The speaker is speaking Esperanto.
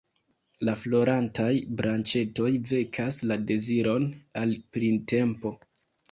La florantaj branĉetoj vekas la deziron al printempo.